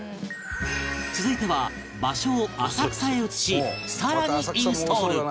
続いては場所を浅草へ移しさらにインストール！